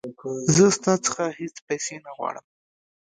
زه ستا څخه هیڅ پیسې نه غواړم.